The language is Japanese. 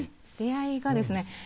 出会いがですね